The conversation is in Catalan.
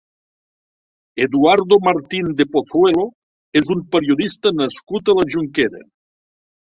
Eduardo Martín de Pozuelo és un periodista nascut a la Jonquera.